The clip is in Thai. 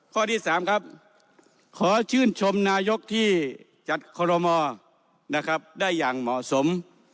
ข้อที่๓ครับขอชื่นชมนายกที่จัดคอรมอนะครับได้อย่างเหมาะสม